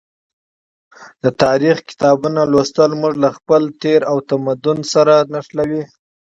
د تاریخي کتابونو لوستل موږ له خپل تیر او تمدن سره نښلوي.